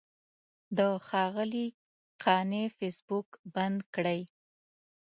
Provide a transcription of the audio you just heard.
د ښاغلي قانع فیسبوک بند کړی.